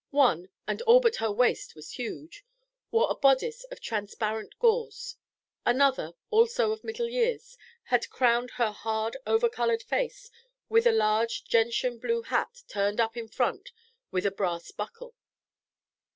One, and all but her waist was huge, wore a bodice of transparent gauze; another, also of middle years, had crowned her hard over coloured face with a large gentian blue hat turned up in front with a brass buckle.